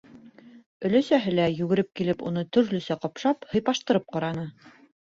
Өләсәһе лә, йүгереп килеп, уны төрлөсә ҡапшап, һыйпаштырып ҡараны.